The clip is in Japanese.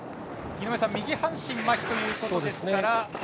井上さん右半身まひということですから。